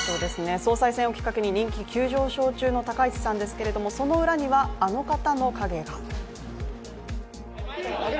総裁選をきっかけに人気急上昇中の高市さんですがその裏には、あの方の影が。